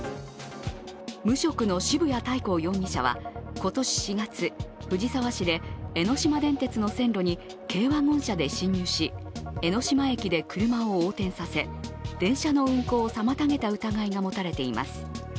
無職の渋谷大皇容疑者は今年４月、藤沢市で江ノ島電鉄の線路に軽ワゴン車で侵入し江の島駅で車を横転させ電車の運行を妨げた疑いが持たれています。